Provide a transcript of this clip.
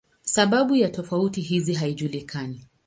Sababu ya tofauti hizi haijulikani.